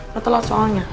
betul lah soalnya